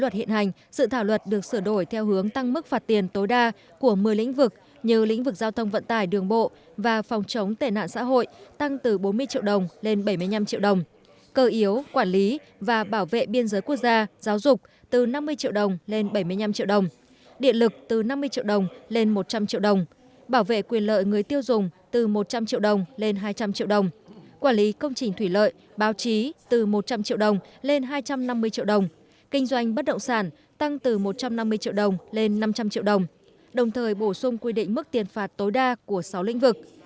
điện lực từ năm mươi triệu đồng lên một trăm linh triệu đồng bảo vệ quyền lợi người tiêu dùng từ một trăm linh triệu đồng lên hai trăm linh triệu đồng quản lý công trình thủy lợi báo chí từ một trăm linh triệu đồng lên hai trăm năm mươi triệu đồng kinh doanh bất động sản tăng từ một trăm năm mươi triệu đồng lên năm trăm linh triệu đồng đồng thời bổ sung quy định mức tiền phạt tối đa của sáu lĩnh vực